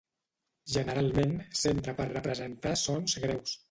Generalment s'empra per representar sons greus.